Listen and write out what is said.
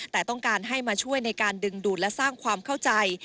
แต่ต้องการให้มาช่วยในการดึงดูดและสร้างความเข้าใจ